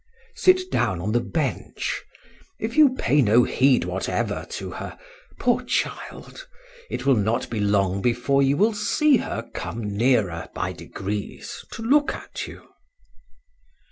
Sit down on the bench. If you pay no heed whatever to her, poor child, it will not be long before you will see her come nearer by degrees to look at you."